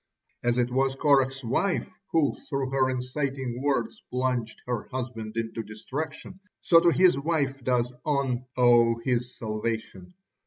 As it was Korah's wife who through her inciting words plunged her husband into destruction, so to his wife does On owe his salvation.